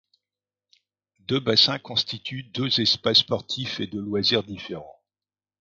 Deux bassins constituent deux espaces sportifs et de loisirs différents.